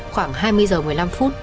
khoảng hai mươi giờ một mươi năm phút